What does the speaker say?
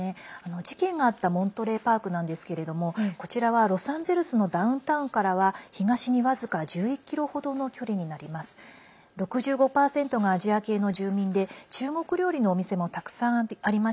事件があったモントレーパークなんですけれどもこちらはロサンゼルスのダウンタウンからは東に僅か１１ｋｍ程の距離になります。